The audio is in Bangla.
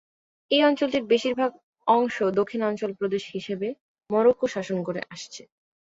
এই অঞ্চলটির বেশিরভাগ অংশ দক্ষিণাঞ্চল প্রদেশ হিসাবে, মরক্কো শাসন করে আসছে।